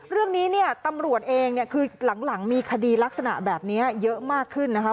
เรื่องนี้เนี่ยตำรวจเองเนี่ยคือหลังมีคดีลักษณะแบบนี้เยอะมากขึ้นนะคะ